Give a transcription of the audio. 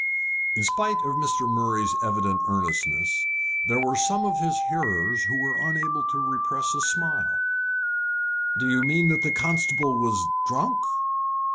In spite of Mr. Murray's evident earnestness, there were some of his hearers who were unable to repress a smile. "Do you mean that the constable was drunk?"